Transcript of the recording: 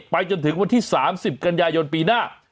ไปจนถึงวันที่๓๐กันยายนปีหน้า